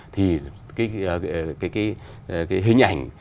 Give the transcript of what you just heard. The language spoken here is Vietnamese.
thì cái hình ảnh